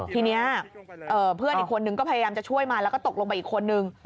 ทีนี้เพื่อนอีกคนนึงก็พยายามจะช่วยมาแล้วก็ตกลงไปอีกคนนึง